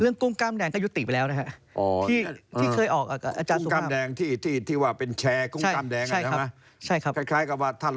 เรื่องกุ้งกล้ามแดงก็ยุติไปแล้วนะครับ